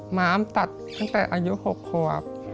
ม้ามตัดตั้งแต่อายุ๖ขวบ